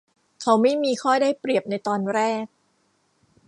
เขาไม่มีข้อได้เปรียบในตอนแรก